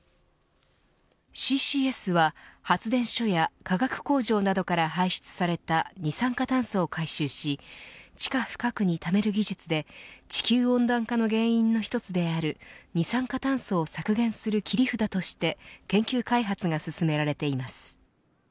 ＣＣＳは、発電所や化学工場などから排出された二酸化炭素を回収し地下深くにためる技術で地球温暖化の原因の一つである二酸化炭素を削減する切り札として研究開発が進められています。